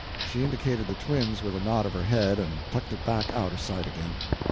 She indicated the twins with a nod of her head, and tucked it back out of sight again.